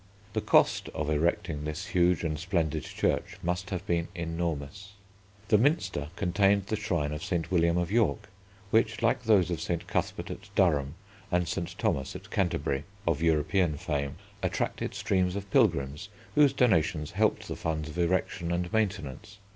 The cost of erecting this huge and splendid church must have been enormous. The Minster contained the shrine of St. William of York, which, like those of St. Cuthbert at Durham and St. Thomas at Canterbury of European fame, attracted streams of pilgrims, whose donations helped the funds of erection and maintenance.